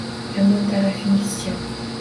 - Yomon tarafingiz-chi?